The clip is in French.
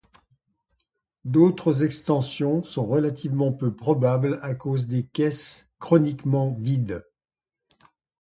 D'autres extensions sont relativement peu probables à cause des caisses chroniquement vides.